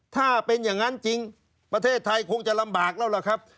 ถ้าเป็นอย่างนั้นจริงประเทศไทยคงจะลำบากแล้วล่ะครับ